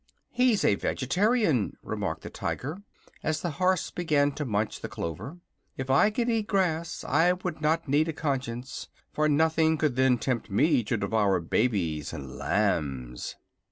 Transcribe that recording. "He's a vegetarian," remarked the Tiger, as the horse began to munch the clover. "If I could eat grass I would not need a conscience, for nothing could then tempt me to devour babies and lambs."